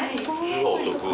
お得。